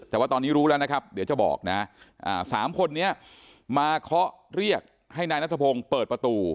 แต่ว่าตอนนี้รู้แล้วนะครับเดี๋ยวจะบอกนะ๓คนนี้มาเคาะเรียกให้นายนัทพงศ์เปิดประตู